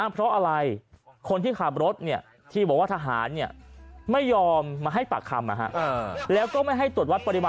เพราะอะไรคนขับรถที่บอกว่าทหารไม่ยอมมาให้ปากคำ